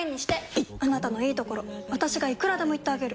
いっあなたのいいところ私がいくらでも言ってあげる！